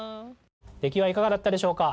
出来はいかがだったでしょうか？